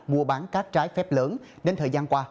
mua bán các trái phép lớn đến thời gian qua